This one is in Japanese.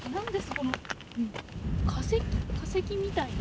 この化石みたいな。